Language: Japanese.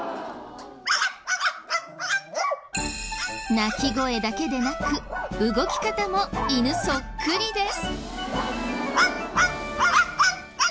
鳴き声だけでなく動き方も犬そっくりです。